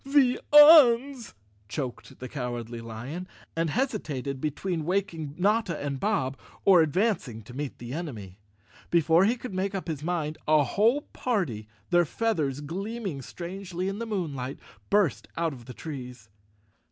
"The Uns," choked the Cowardly Lion, and hesitated between waking Notta and Bob, or advancing to meet the enemy. Before he could make up his mind, a whole party, their feathers gleaming strangely in the moon¬ light, burst out of the trees.